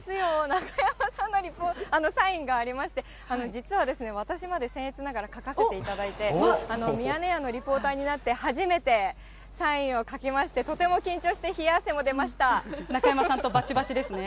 中山さんのサインがありまして、実は私までせんえつながら書かせていただいて、ミヤネ屋のリポーターになって初めてサインを書きまして、とても中山さんとばちばちですね。